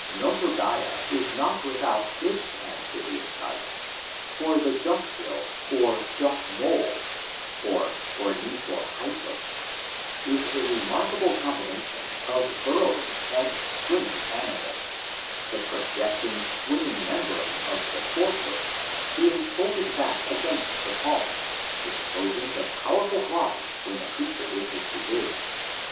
Notogaea is not without its amphibious type, far the duck bill or duck mole (Orniihorhynchus) is a remarkable combination of burrowing and swimming animal, the projecting swimming mem brane of the fore foot being folded back against the palm, exposing the powerful claws when the creature wishes to dig.